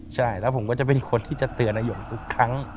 ใช่แล้วผมก็จะเป็นคนที่จะเตือนนายงทุกครั้ง